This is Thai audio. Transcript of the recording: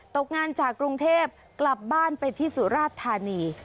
ตกงานจากกรุงเทพกลับบ้านไปที่สุราชธานี